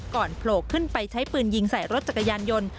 โผล่ขึ้นไปใช้ปืนยิงใส่รถจักรยานยนต์